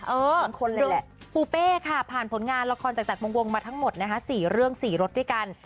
ปูเป้ค่ะผ่านผลงานละครจากวงมาทั้งหมดนะคะ๔เรื่อง๔รถด้วยกัน